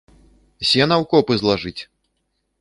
Сена ў копы злажыць!